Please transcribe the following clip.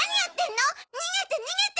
逃げて逃げて！